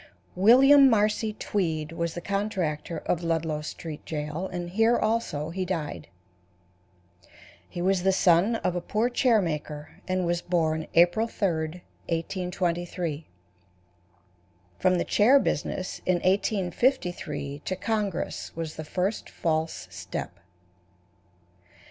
William Marcy Tweed was the contractor of Ludlow Street Jail, and here also he died. He was the son of a poor chair maker, and was born April 3, 1823. From the chair business in 1853 to congress was the first false step.